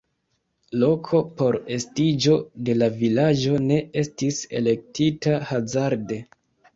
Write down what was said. Loko por estiĝo de la vilaĝo ne estis elektita hazarde.